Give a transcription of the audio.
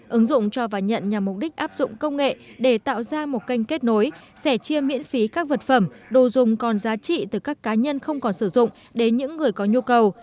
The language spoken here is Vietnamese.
ứng dụng cho và nhận nhằm mục đích áp dụng công nghệ để tạo ra một kênh kết nối sẻ chia miễn phí các vật phẩm đồ dùng còn giá trị từ các cá nhân không còn sử dụng đến những người có nhu cầu